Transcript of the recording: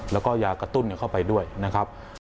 แล้วก็ยากระตุ้นเข้าไปด้วยนะครับ